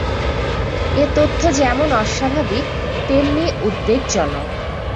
এ তথ্য যেমন অস্বাভাবিক তেমনি উদ্বেগজনক।